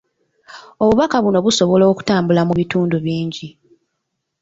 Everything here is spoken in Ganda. Obubaka buno busobola okutambula mu bitundu bingi.